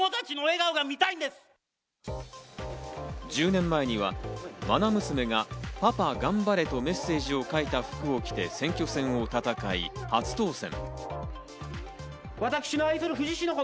１０年前にはまな娘が「パパがんばれ」とメッセージを書いた服を着て、選挙戦を戦い、初当選。